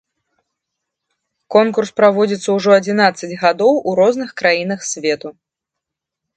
Конкурс праводзіцца ўжо адзінаццаць гадоў у розных краінах свету.